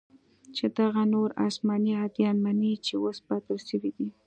چې دغه نور اسماني اديان مني چې اوس باطل سوي دي.